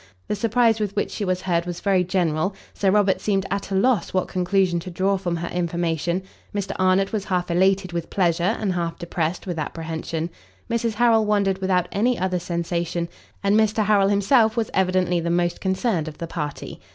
The surprize with which she was heard was very general: Sir Robert seemed at a loss what conclusion to draw from her information; Mr Arnott was half elated with pleasure, and half depressed with apprehension; Mrs Harrel wondered, without any other sensation; and Mr Harrel himself was evidently the most concerned of the party.